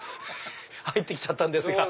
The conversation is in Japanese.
入ってきちゃったんですが。